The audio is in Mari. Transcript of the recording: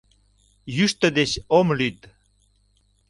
Йӱштӧ деч ом лӱд.